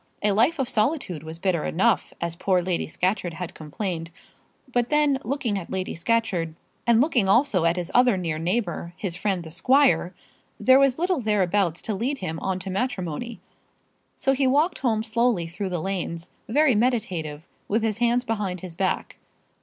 A life of solitude was bitter enough, as poor Lady Scatcherd had complained. But then, looking at Lady Scatcherd, and looking also at his other near neighbour, his friend the squire, there was little thereabouts to lead him on to matrimony. So he walked home slowly through the lanes, very meditative, with his hands behind his back.